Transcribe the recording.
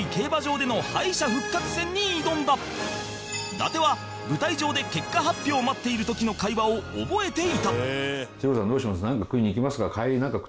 伊達は舞台上で結果発表を待っている時の会話を覚えていた